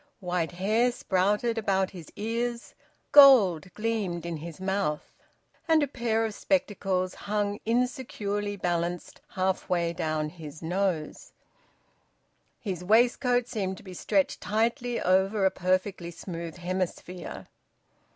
White hair sprouted about his ears; gold gleamed in his mouth; and a pair of spectacles hung insecurely balanced half way down his nose; his waistcoat seemed to be stretched tightly over a perfectly smooth hemisphere.